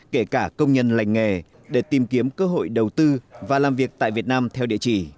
kể cả công nhân lành nghề để tìm kiếm cơ hội đầu tư và làm việc tại việt nam theo địa chỉ